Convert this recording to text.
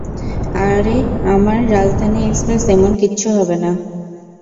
আরে আমার, রাজধানী এক্সপ্রেস, এমন কিচ্ছু হবে না।